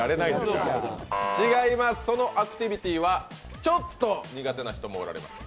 そのアクティビティはちょっと苦手な人もおられます。